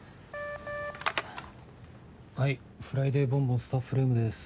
はい「フライデーボンボン」スタッフルームです。